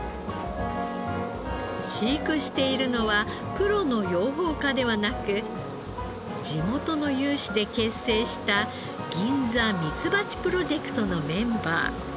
飼育しているのはプロの養蜂家ではなく地元の有志で結成した銀座ミツバチプロジェクトのメンバー。